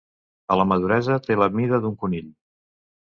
A la maduresa té la mida d'un conill.